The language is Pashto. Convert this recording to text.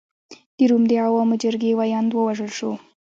د روم د عوامو جرګې ویاند ووژل شو.